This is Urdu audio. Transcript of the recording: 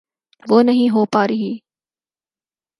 وہ نہیں ہو پا رہی۔